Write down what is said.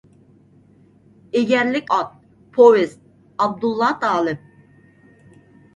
«ئېگەرلىك ئات» ، پوۋېست، ئابدۇللا تالىپ.